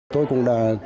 tôi cũng đã